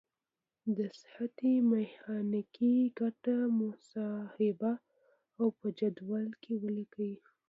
د سطحې میخانیکي ګټه محاسبه او په جدول کې ولیکئ.